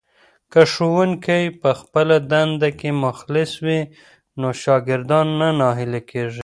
که ښوونکی په خپله دنده کې مخلص وي نو شاګردان نه ناهیلي کېږي.